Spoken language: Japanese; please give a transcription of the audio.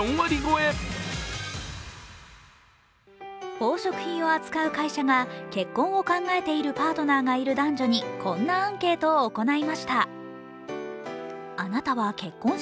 宝飾品を扱う会社が結婚を考えているパートナーがいる男女にこんなアンケートを行いました。